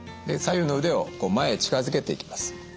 左右の腕を前へ近づけていきます。